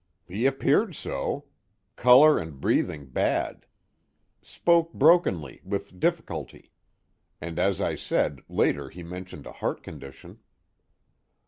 "He appeared so. Color and breathing bad. Spoke brokenly, with difficulty. And as I said, later he mentioned a heart condition."